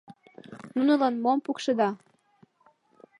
— Нунылан мом пукшеда?